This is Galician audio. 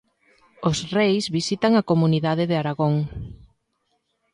Os reis visitan a comunidade de Aragón.